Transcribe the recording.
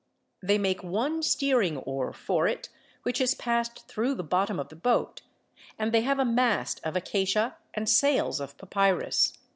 They make one steering oar for it, which is passed through the bottom of the boat; and they have a mast of acacia and sails of papyrus.